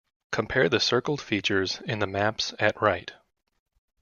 Compare the circled features in the maps at right.